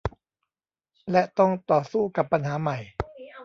และต้องต่อสู้กับปัญหาใหม่